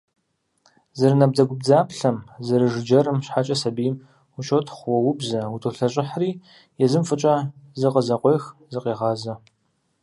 Зэрынабдзэгубдзаплъэм, зэрыжыджэрым щхьэкӀэ сабийм ущотхъу, уоубзэ, утолъэщӀыхьри, езым фӀыкӀэ зыкъызэкъуех, зыкъегъазэ.